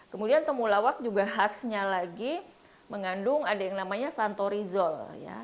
kemudian temulawak juga khasnya lagi mengandung ada yang namanya santorizol